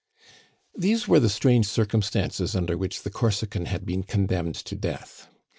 These were the strange circumstances under which the Corsican had been condemned to death.